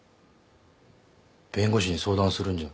弁護士に相談するんじゃ。